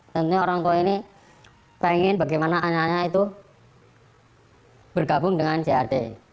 tentunya orang tua ini pengen bagaimana anaknya itu bergabung dengan crt